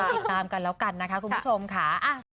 ติดตามกันแล้วกันนะคะคุณผู้ชมค่ะ